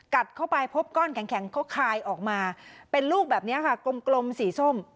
เข้าไปพบก้อนแข็งเขาคายออกมาเป็นลูกแบบนี้ค่ะกลมสีส้ม